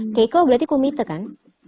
oke iko berarti kumite kan